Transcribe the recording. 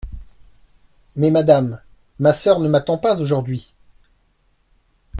Mais, madame, ma sœur ne m’attend pas aujourd’hui.